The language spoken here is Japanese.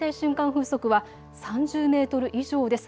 風速は３０メートル以上です。